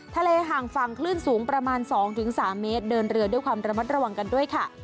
ทะเลห่างฝั่งคลื่นสูงประมาณ๒๓เมตรเดินเรือด้วยความระมัดระวังกันด้วยค่ะ